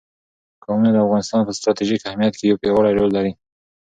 قومونه د افغانستان په ستراتیژیک اهمیت کې یو پیاوړی رول لري.